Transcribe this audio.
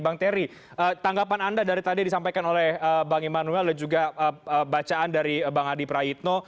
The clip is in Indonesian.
bang terry tanggapan anda dari tadi disampaikan oleh bang immanuel dan juga bacaan dari bang adi prayitno